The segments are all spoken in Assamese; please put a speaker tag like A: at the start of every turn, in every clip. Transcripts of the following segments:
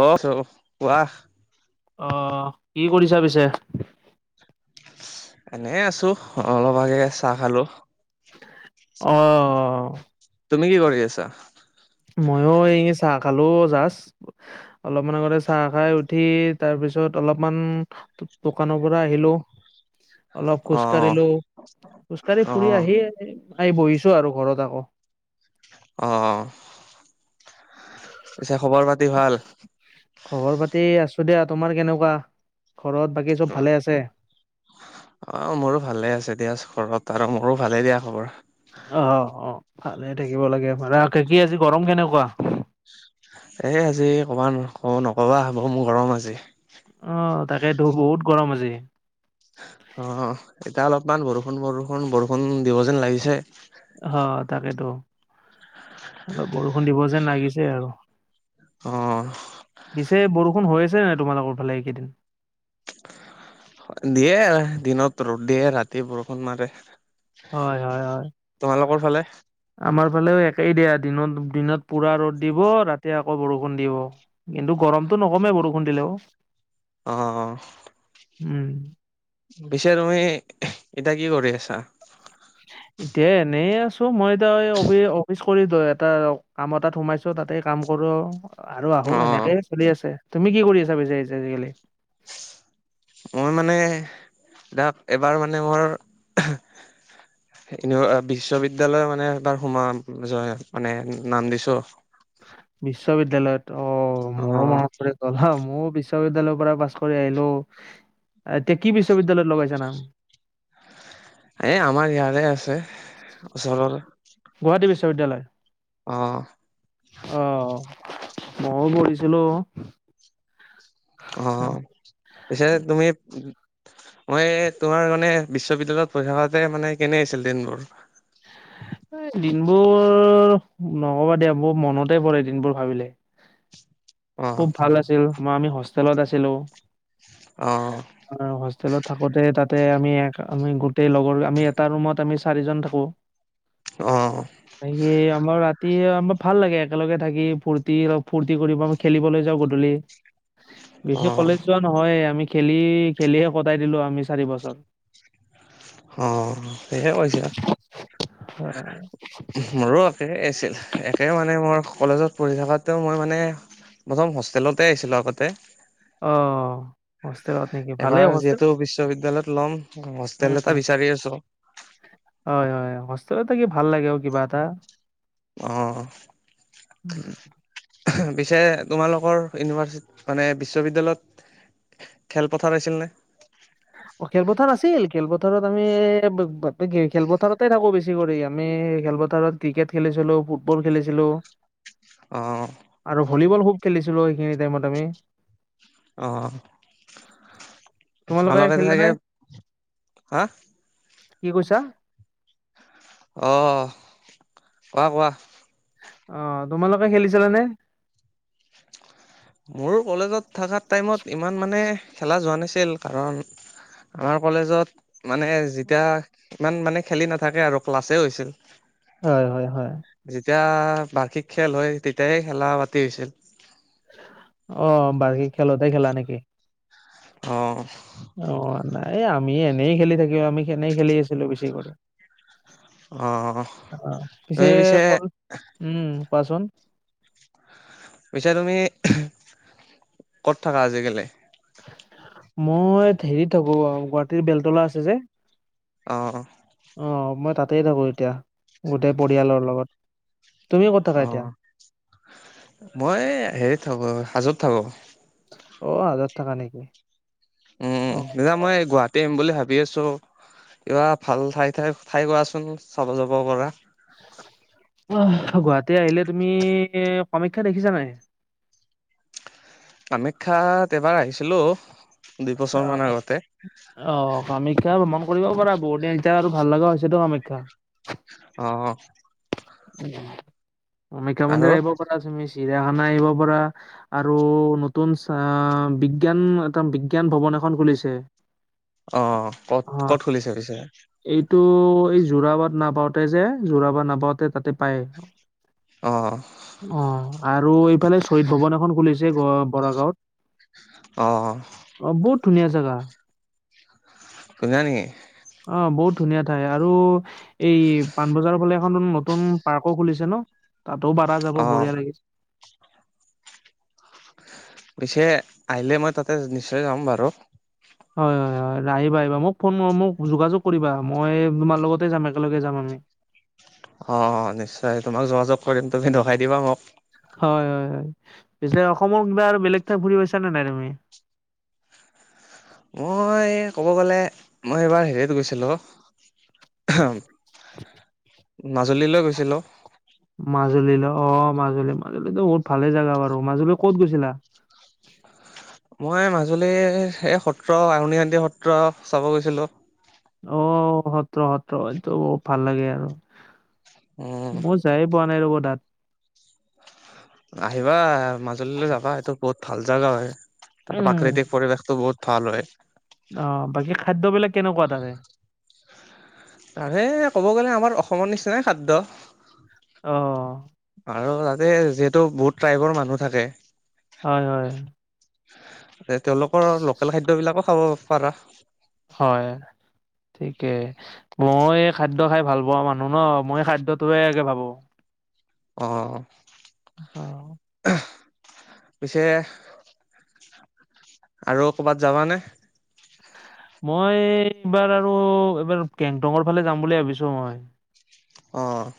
A: অ', চ কোৱা?
B: অ', কি কৰিছা পিছে?
A: এনেয়ে আছো, অলপ আগে চাহ খালো। আচ্ছা,
B: অ
A: তুমি কি কৰি আছা?
B: মইও এই চাহ খালো জাষ্ট। অলপমান আগতে চাহ খাই উঠি, তাৰপিছত অলপমান ত' দোকানৰ পৰা আহিলো।
A: [inaudible]
B: অলপ খোজ কাঢ়িলো, খোজ কাঢ়ি
A: অ
B: ফুৰি আহি আহি বহিছো আৰু ঘৰত আকৌ।
A: অ', পিছে খবৰ পাতি ভাল?
B: খবৰ পাতি আছো দিয়া, তোমাৰ কেনেকুৱা ঘৰত বাকী চব ভালে আছে?
A: অ', মোৰো ভালে আছে দিয়া ঘৰত, আৰু মোৰো ভালে দিয়া খবৰ।
B: অ', অ', ভালে থাকিব লাগে, মানে কি আজি গৰম কেনেকুৱা?
A: এই আজি ক'বা ন ক'ওঁ নক'বা হ মোৰ গৰম আজি।
B: অ', তাকেতো বহুত গৰম আজি।
A: অ', এতিয়া অলপমান বৰষুণ-বৰষুণ বৰষুণ দিব যেন লাগিছে।
B: অ', তাকেতো, অলপ বৰষুণ দিব যেন লাগিছে আৰু।
A: অ'।
B: পিছে বৰষুণ হৈ আছে নাই, তোমালোকৰ ফালে এইকেইদিন?
A: দিয়ে দিনত ৰ'দ দিয়ে, ৰাতি বৰষুণ মাৰে।
B: হয়, হয়। হয়
A: তোমালোকৰ ফালে?
B: আমাৰ ফালেও একেই দিয়া, দিনত দিনত পুৰা ৰ'দ দিব ৰাতি আকৌ বৰষুণ দিব। কিন্তু গৰমটো নকমে বৰষুণ দিলেও।
A: অ', অ'।
B: উম।
A: পিছে তুমি এতিয়া কি কৰি আছা?
B: [inaudible] এতিয়া এনেই আছো, মই এতিয়া অফিচ-অফিচ কৰি এটা কাম এতাত সোমাইছো। ত' তাতে কাম কৰো আৰু আহো
A: অ
B: এনেকে চলি আ, ছে তুমি কি কৰি আছা পিছে আজিকালি?
A: মই মানে, দা এবাৰ মানে মোৰ [unintelligible] বিশ্ববিদ্যালয় মানে এবাৰ সোমাম মানে নাম দিছো।
B: বিশ্ববিদ্যালয়ত অ' মোৰো মনত পৰি গ'ল ময়ো বিশ্ব বিশ্ববিদ্যালয়ৰ পৰা পাছ কৰি আহিলোঁ, এতিয়া কি বিশ্ববিদ্যালয়ত লগাইছা নাম?
A: এ, আমাৰ ইয়াৰে আছে ওচৰৰ।
B: গুৱাহাটী বিশ্ববিদ্যালয়।
A: অ
B: অ' ময়ো পঢ়িছিলোঁ
A: অ' পিছে তুমি মই তোমাৰ মানে বিশ্ববিদ্যালয়ত পঢ়ি থাকোতে মানে কেনে আছিল দিনবোৰ। [unintelligible]
B: এই দিনবোৰ নক'বা দিয়া বহু মনতে পৰে দিনবোৰ ভাবিলে।
A: অ
B: খুব ভাল আছিল মই আমি হোষ্টেলত আছিলোঁ।
A: অ'।
B: হোষ্টেলত থাকোতে তাতে আমি এক আমি গোটেই লগৰ আমি এটা ৰুমত আমি চাৰিজন থাকোঁ।
A: অ'।
B: [unintelligible] আমাৰ ৰাতি আমাৰ ভাল লাগে একেলগে থাকি ফূৰ্তি ফূৰ্তি কৰিব খেলিবলৈ যাওঁ গধূলি।
A: [unintelligible] অ
B: বেছি কলেজ যোৱা নহয় আমি খেলি খেলিহে কটাই দিলোঁ আমি চাৰি বছৰ।
A: অ' সেয়ে কৈছা।
B: হয়।
A: মোৰো একে আছিল একে মানে মোৰ কলেজত পঢ়ি থকাতেও মই মানে প্ৰথম হোষ্টেলতে আছিলোঁ আগতে।
B: অ'। হোষ্টেলত নেকি
A: এবাৰ
B: ভালেই
A: যিহেতু
B: হোষ্টেলত
A: বিশ্ববিদ্যালয়ত ল'ম
B: উম
A: হোষ্টেল
B: উম।
A: এটা বিচাৰি আছোঁ।
B: হয় হয় হোষ্টেল থাকি ভাল লাগে অ' কিবা এটা।
A: অ'।
B: [unintelligible]
A: পিছে তোমালোকৰ [unintelligible] মানে বিশ্ববিদ্যালয়ত খেল পথাৰ আছিল নে?
B: অ' খেলপথাৰ আছিল খেলপথাৰত আমি [unintelligible] খেলপথাৰত [unintelligible] থাকোঁ বেছি কৰি আমি খেলপথাৰত ক্ৰিকেট খেলিছিলোঁ ফুটবল খেলিছিলোঁ।
A: অ'।
B: আৰু হলীবল খুব খেলিছিলোঁ সেইখিনি টাইমত আমি।
A: অ'।
B: তোমালোকে খেলিলা নে?
A: হা
B: কি কৈছা?
A: অ' কোৱা কোৱা।
B: অ' তোমালোকে খেলিছিলা নে?
A: মোৰো কলেজত থকা টাইমত ইমান মানে খেলা যোৱা নাছিল কাৰণ আমাৰ কলেজত মানে যেতিয়া ইমান মানে খেলি নাথাকে আৰু ক্লাছে হৈছিল।
B: হয় হয় হয়।
A: যেতিয়া বাৰ্ষিক খেল হয় তেতিয়াই খেলা পাতি হৈছিল।
B: অ' বাৰ্ষিক খেলতে খেলা নেকি।
A: অ'।
B: অ' নাই আমি এনেই খেলি থাকি আমি সেনেই খেলি আছিলোঁ বেছি কৰি।
A: অ',
B: অ' পিছে [unintelligible] উম, কোৱাচোন।
A: পিছা তুমি, ক'ত থাকা আজিকালি?
B: মই হেৰিত থাকোঁ গুৱাহাটীৰ বেলতলা আছে যে।
A: অ', অ'।
B: অ' মই তাতেই থাকোঁ এতিয়া, গোটেই পৰিয়ালৰ লগত। তুমি ক'ত থাকা এতিয়া
A: অ' মই হেৰিত থাকোঁ হাজত থাকোঁ।
B: অ' হাজোত থাকা নেকি।
A: উম
B: অ
A: দনা
B: অ
A: মই গুৱাহাটী আহিম বুলি ভাবি আছোঁ। কিবা ভাল ঠাই-ঠাই ঠাই কোৱাচোন চাব যাব পৰা।
B: অহ গুৱাহাটী আহিলে তুমি কামাখ্যা দেখিছা নাই?
A: কামাখ্যাত এবাৰ আহিছিলোঁ দুইবছৰমান আগতে।
B: অ' কামাখ্যা ভ্ৰমণ কৰিব পাৰা বহুত দিন এতিয়া আৰু ভাল লগা হৈছেতো কামাখ্যা।
A: অ'।
B: কামাখ্যা
A: আৰু
B: মন্দিৰ আহিব পাৰা তুমি চিৰিয়াখানা আহিব পাৰা। আৰু নতুন বিজ্ঞান এটা বিজ্ঞান ভৱন এখন খুলিছে।
A: অ' ক'ত
B: অ
A: ক'ত খুলিছে পিছে?
B: এইটো এই যোৰাবাট নাপাওঁতে যে যোৰাবাট নাপাওঁতে তাতে পায়।
A: অ'।
B: অ' আৰু এইফালে শহীদ ভৱন এখন খুলিছে বৰাগাঁৱত।
A: অ'।
B: অ' বহুত ধুনীয়া জেগা।
A: ধুনীয়া নেকি।
B: অ' বহুত ধুনীয়া ঠাই আৰু এই পানবজাৰৰ ফালে এখন নতুন আকৌ খুলিছে ন' তাতো বাধা যাব
A: অ',
B: বঢ়িয়া লাগিছে।
A: পিছে আহিলে মই তাতে নিশ্চয় যাম বাৰু।
B: হয় হয় হয়, আহিবা আহিবা, মোক ফোন মোক যোগাযোগ কৰিবা মই তোমাৰ লগতে যাম একেলগে যাম আমি।
A: অ' নিশ্চয় তোমাক যোগাযোগ কৰিম তুমি দেখাই দিবা মোক।
B: হয় হয় হয়, পিছে অসমৰ কিবা আৰু বেলেগ ঠাই ঘুৰি পাইছা নে নাই তুমি?
A: মই ক'ব গ'লে মই এইবাৰ হেৰিত গৈছিলো মাজুলীলৈ গৈছিলোঁ।
B: মাজুলীলৈ অ' মাজুলী মাজুলীতো বহুত ভালে জাগা বাৰু, মাজুলী ক'ত গৈছিলা?
A: মই মাজুলীৰ এই সত্ৰ আউণী শান্তি সত্ৰ চাব গৈছিলোঁ।
B: অ' সত্ৰ সত্ৰ এইটো বহুত ভাল লাগে আৰু।
A: উম।
B: যায় পোৱা নাই ৰ'ব তাত।
A: আহিবা মাজুলীলৈ যাবা এইটো বহুত ভাল জাগা হয়, তাৰ
B: উম
A: প্ৰাকৃতিক পৰিৱেশতো বহুত ভাল হয়।
B: অ' বাকী খাদ্যবেলাক কেনেকুৱা তাতে?
A: তাৰে ক'ব গ'লে আমাৰ অসমৰ নিচিনাই খাদ্য।
B: অ'।
A: আৰু তাতে যিহেতু বহুত ট্ৰাইবৰ মানুহ থাকে।
B: হয় হয়।
A: তেওঁলোকৰ লোকেল খাদ্যবিলাকো খাব পাৰা।
B: হয়। থিকেই, মই খাদ্য খাই ভাল পোৱা মানুহ ন মই খাদ্যটোয়ে একে ভাবো।
A: অ'।
B: অ'।
A: পিছে আৰু কৰ'বাত যাবানে?
B: মই এইবাৰ আৰু এইবাৰ কেংটঙৰ ফালে যাম বুলি ভাবিছোঁ মই।
A: অ'।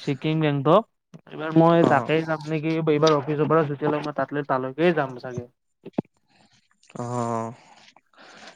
B: চিকিম বেংতক, এইবাৰ মই
A: অ',
B: তাতে যাম নেকি এইবাৰ অফিচৰ পৰা চুটিলৈ মই তাত লৈ তালৈকে যাম চাগে।
A: অ'।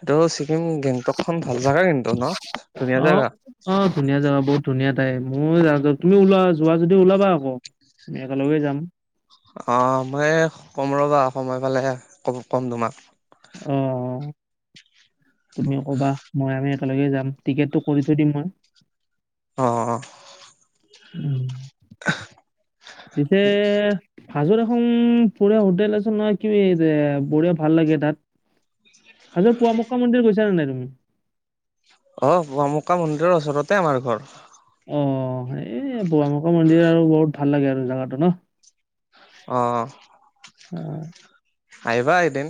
A: এইটো ছিকিম গেংটকখন ভাল জোগা কিন্তু ন' ধুনীয়া
B: অ
A: জেগা।
B: অ' ধুনীয়া জাবা বহুত ধুনীয়া তাই মই যওঁ তুমি ওলোৱা যোৱা যদি ওলাবা আকৌ। মে একেলগে যাম।
A: অ মই ক'ম ৰ'বা সময় পালে ক ক'ম তোমাক
B: অ তুমি কবা মই আমি একেলগে যাম টিকেটটো কৰি থৈ দিম মই
A: অ
B: এছে হাজত এখন ফঢা হোটেল আছে নহয় কি বঢ়িয়া ভাল লাগে তাত আাত পুৱামুকা মন্দিৰ গৈছ নাই তুমি
A: অঁ বামুকা মন্দিৰৰ ওচৰতে আমাৰ ঘৰ
B: অ এই বৱামকা মন্দিৰ আৰু বহুত ভাল লাগে আৰু জাগাটো ন
A: অ
B: অ
A: আহিবা এদিন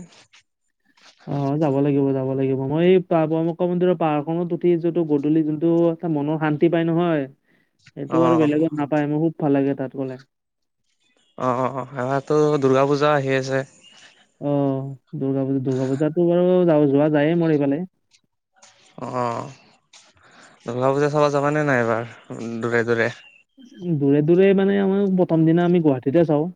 B: অ যাব লাগিব যাব লাগিব মই এই পৰাম্া মন্দিৰৰ পাহাৰখনত উঠি যোনটো গধূলি যোনটো এটা মনৰ শান্তি পাই নহয়
A: [inaudible]
B: সেইটো আৰু
A: অ',
B: বেলেগত নাপায় মোৰ খুব ভাল লাগে তাত গলে
A: অঁ অঁ অঁ সোতো দুৰ্গা পূজা আহি আছে
B: অ দুৰ্গা পূজা দুৰ্গা পূজাতো বাৰু য যোৱা যায়ে মৰি পালে
A: অঁ দুৰ্ঘা পূজা চাব যাবানে নাই এবাৰ দূৰে দূৰে
B: দূৰে দূৰে মানে আমাৰ প্ৰথম দিনা আমি গুৱাহাটীতে চাওঁ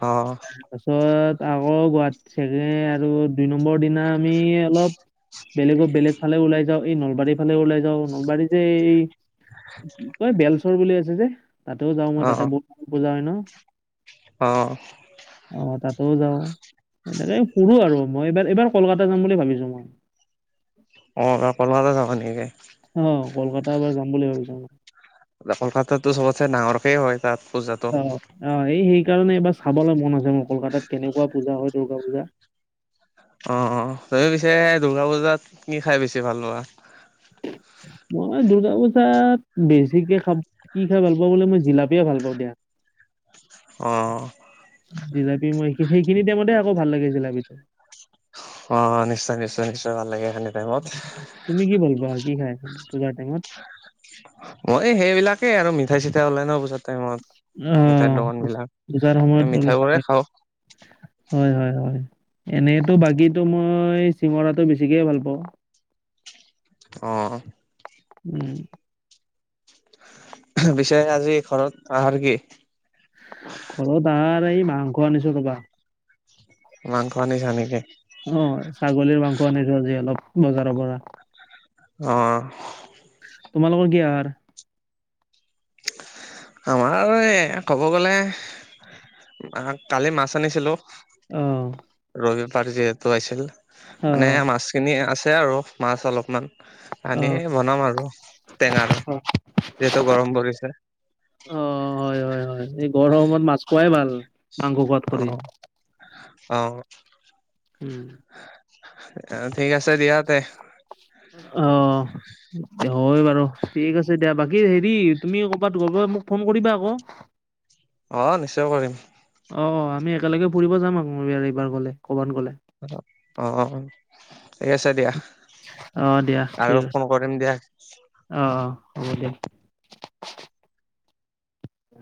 A: অ
B: তাৰপাছত আকৌ গুৱাহাটী চাগে আৰু দুই নম্বৰ দিনা আমি অলপ বেলেগৰ বেলেগ ফালে ওলাই যাওঁ এই নলবাৰীৰ ফালে ওলাই যাও নলবাৰী যে এই কয় বেলচৰ বুলি আছে যে তাতেও যাও মই
A: অ',
B: তাতে ব পূজা হয় ন
A: অ
B: অ তাতো যাওঁ এনেকে সুৰো আৰু মই এইবাৰ এইবাৰ কলকাতা যাম বুলি ভাবিছো মই
A: অ পলতে যাব নেকে
B: অ কলকাতা বাাৰ যাম বুলি ভাবিছো
A: কলকাতাতো চবততে ডাঙৰকেই হয় তাত পূজাটো
B: অ অ এই সেইকাৰণে এইবাৰ চাবলৈ মন আছে মোৰ কলকাতাত কেনেকুৱা পূজা হয় দুৰ্গা পূজা
A: অ অ তুমি পিছে দুৰ্গা পূজাত কি খাই বেছি ভাল পোৱাা
B: মই দুৰ্গা পূজাত বেছিকে খাম কি খাই ভাল পাওঁ বোলে মই জিলাপিয়ে ভাল পাওঁ দিয়া
A: অ
B: জিলাপি মই সেইখিনি টাইমততেে আকৌ ভাল লাগে জিলাপিটো
A: অ নিশ্চয় নিশ্চয় নিশ্চয় ভাল লাগে খে
B: তুমি কি ভ পা কি খাই পূজাৰ টাইমত
A: অ এই সেইবিলাকে আৰু মিঠাই চিঠাই ওলাই ন পত টাইমত মিঠাইৰ
B: অ',
A: দোকান
B: পূজাৰ
A: বিলাক
B: সময়ত অলপ
A: মিঠাই
B: ভাল
A: বোৰে
B: লাগে
A: খাওঁ
B: হয় হয় হয় এনেইতো বাকীতো মই চিঙৰাটো বেছিকে ভাল পাওঁ
A: অ
B: উম
A: পিছে আজি ঘৰত আহাৰ কি
B: ঘৰত আৰু এই মাংস আনিছো তপা
A: মাংস আ নিছা নেকে
B: অ ছাগলীৰ মাংস আনিছো আজি অলপ বজাৰৰ পৰা
A: উ
B: তোমালোকৰ গে আৰ
A: আমাৰ এই কব গ'লে কালি মাছ আনিছিলো
B: অ
A: ৰবিবাৰ যিহেতু আহিছিল মানে,
B: অ',
A: মাছখিনি আছে আৰু মাছ অলপমান। আানি
B: অ',
A: এই বনাম আৰু টেঙাৰে
B: অ',
A: যিহেতু গৰম পৰিছে।
B: অ', হয়, হয়, হয়, এই গৰমত মাছ খোৱাই ভাল। মাংস খোৱাত কৰি
A: অ', অ'।
B: উম,
A: অ', ঠিক আছে দিয়া তে
B: অ'। হয় বাৰু ঠিক আছে দিয়া বাকী হেৰি, তুমি কৰ'বাত গৈয়ে মোক ফোন কৰিবা আকৌ।
A: অ', নিশ্চয় কৰিম।
B: অ', অ', আমি একেলগে ফুৰিব যাম আকৌ এইবাৰ-এইবাৰ গ'লে ক'বাত গ'লে।
A: অ', ঠিক আছে দিয়া
B: অ দিয়া ঠিক
A: আৰু
B: আছে
A: ফোন কৰিম দিয়া।
B: অ', অ', হ'ব দিয়া।